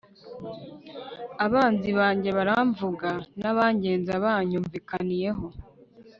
abanzi banjye baramvuga, n'abangenza banyumvikaniyeho